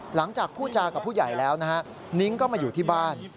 หลังจากพูดจากับผู้ใหญ่แล้วนะฮะนิ้งก็มาอยู่ที่บ้าน